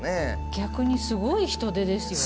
逆にすごい人手ですよね。